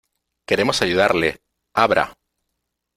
¡ queremos ayudarle! ¡ abra !